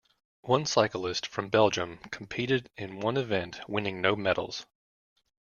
One cyclist from Belgium competed in one event, winning no medals.